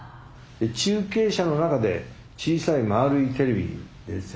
中継車の中で小さいまあるいテレビでですね